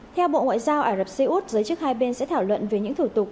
theo bộ ngoại giao ả rập xê út giới chức hai bên sẽ thảo luận về những thủ tục